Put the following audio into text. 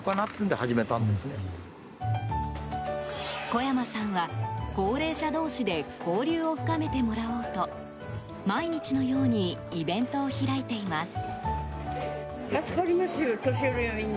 小山さんは、高齢者同士で交流を深めてもらおうと毎日のようにイベントを開いています。